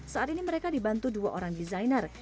saat ini mereka dibantu dua orang desainer